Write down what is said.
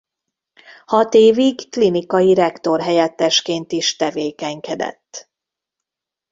Hat évig klinikai rektor-helyettesként is tevékenykedett.